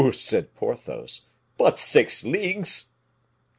said Porthos; "but six leagues."